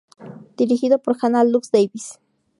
Dirigido por Hannah Lux Davis.